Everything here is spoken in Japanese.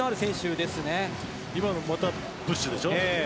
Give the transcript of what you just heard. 今のも、プッシュでしょ。